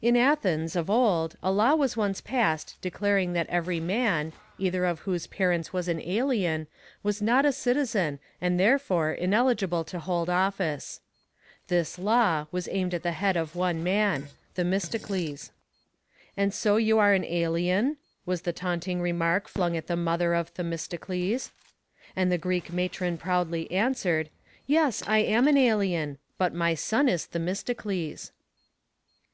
In Athens, of old, a law was once passed declaring that every man, either of whose parents was an alien, was not a citizen and therefore ineligible to hold office. This law was aimed at the head of one man Themistocles. "And so you are an alien?" was the taunting remark flung at the mother of Themistocles. And the Greek matron proudly answered, "Yes, I am an alien but my son is Themistocles."